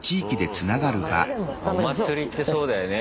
お祭りってそうだよね。